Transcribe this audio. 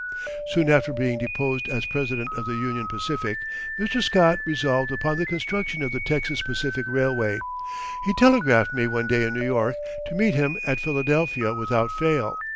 Soon after being deposed as president of the Union Pacific, Mr. Scott resolved upon the construction of the Texas Pacific Railway. He telegraphed me one day in New York to meet him at Philadelphia without fail.